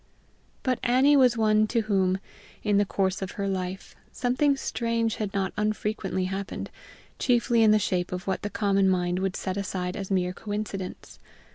But Annie was one to whom, in the course of her life, something strange had not unfrequently happened, chiefly in the shape of what the common mind would set aside as mere coincidence.